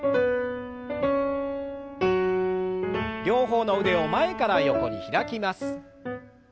両方の腕を前から横に開きます。